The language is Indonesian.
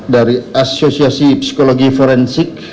dari asosiasi psikologi forensik